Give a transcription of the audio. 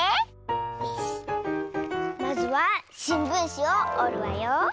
まずはしんぶんしをおるわよ。